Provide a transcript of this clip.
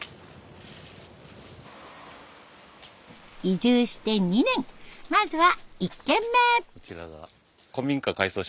移住して２年まずは１軒目。